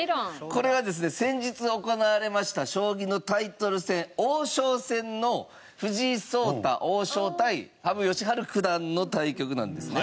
これはですね先日行われました将棋のタイトル戦王将戦の藤井聡太王将対羽生善治九段の対局なんですね。